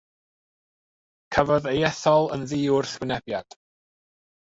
Cafodd ei ethol yn ddiwrthwynebiad.